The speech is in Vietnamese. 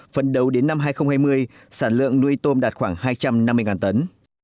phấn đấu đến năm hai nghìn hai mươi sản lượng nuôi tôm đạt khoảng hai trăm năm mươi tấn